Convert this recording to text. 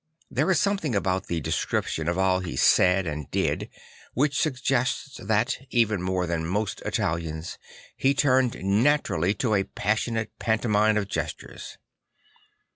There is something about the description of all he said and did which suggests that, even more than most Italians, he turned naturally to a passionate pantomime of gestures.